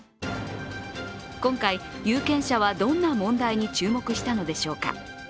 今回、有権者はどんな問題に注目したのでしょうか。